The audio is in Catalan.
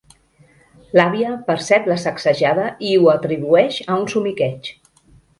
L'àvia percep la sacsejada i ho atribueix a un somiqueig.